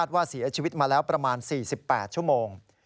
ว่าเสียชีวิตมาแล้วประมาณ๔๘ชั่วโมง